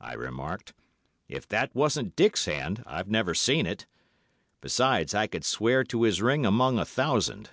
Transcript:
I remarked. 'If that wasn't Dick's hand, I've never seen it. Besides, I could swear to his ring among a thousand.